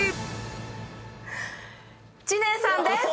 知念さんです！